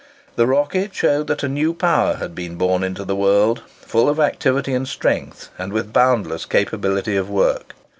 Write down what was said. The "Rocket" showed that a new power had been born into the world, full of activity and strength, with boundless capability of work.